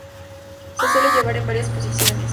Se suele llevar en varias posiciones.